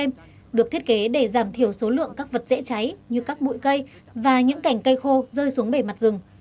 ngọn lửa văn hóa được thiết kế để giảm thiểu số lượng các vật dễ cháy như các bụi cây và những cảnh cây khô rơi xuống bể mặt rừng